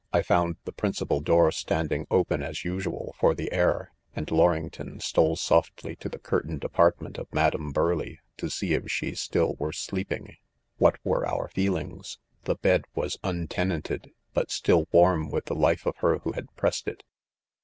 I found the principal door standing open as usual for the .air, and Lorington stole softly to the. curtained apart ment of Madame 'Burleigh, to. see . if she still were sleeping. What .'; were. .our, feelings] —■ The bed was untenanted, but still warm with the life of her who had pressed it.